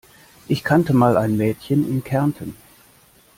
Ich kannte mal ein Mädchen in Kärnten.